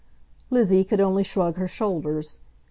Lizzie could only shrug her shoulders.